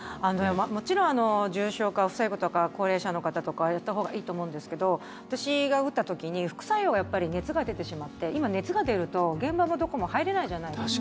もちろん重症化を防ぐとか高齢者の方とかはやったほうがいいと思うんですけど私が打った時に副作用、熱が出てしまって今、熱が出ると、現場もどこも入れないじゃないですか。